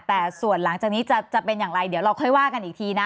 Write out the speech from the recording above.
แต่ส่วนหลังจากนี้จะเป็นอย่างไรเดี๋ยวเราค่อยว่ากันอีกทีนะ